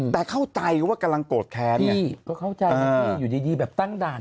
แต่เข้าใจว่ากำลังโกรธแค้นพี่ก็เข้าใจนะพี่อยู่ดีดีแบบตั้งด่าน